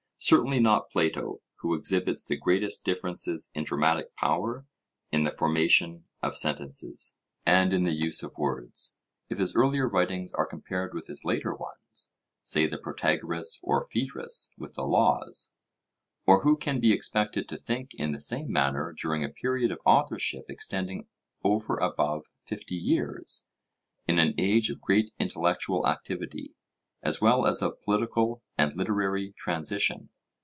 Certainly not Plato, who exhibits the greatest differences in dramatic power, in the formation of sentences, and in the use of words, if his earlier writings are compared with his later ones, say the Protagoras or Phaedrus with the Laws. Or who can be expected to think in the same manner during a period of authorship extending over above fifty years, in an age of great intellectual activity, as well as of political and literary transition?